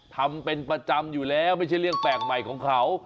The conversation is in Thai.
ทำเป็นประจำอยู่แล้วไม่ใช่เรื่องแปลกใหม่ของเขา